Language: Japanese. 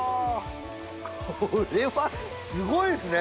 これはすごいですね！